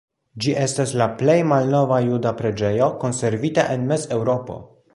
Ĝi estas la plej malnova juda preĝejo konservita en Mezeŭropo.